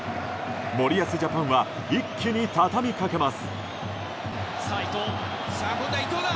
森保ジャパンは一気に畳みかけます。